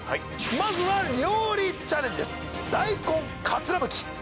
まずは料理チャレンジです。